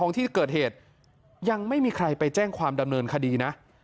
ที่เกิดเหตุยังไม่มีใครไปแจ้งความดำเนินคดีนะ